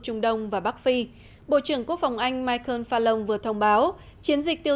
trung đông và bắc phi bộ trưởng quốc phòng anh michael falong vừa thông báo chiến dịch tiêu